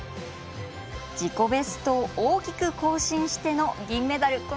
自己ベストを大きく更新しての銀メダル。